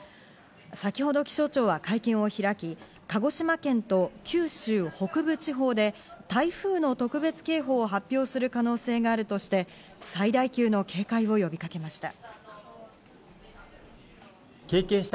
先ほど気象庁は会見を開き、鹿児島県と九州北部地方で台風の特別警報を発表する可能性があるとして、最大級の警戒を呼びかけました。